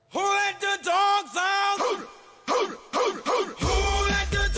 หล่อ